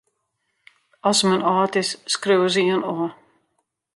Ast men âld is, skriuwe se jin ôf.